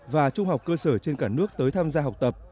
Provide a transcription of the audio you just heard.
và trung học cơ sở trên cả nước tới tham gia học tập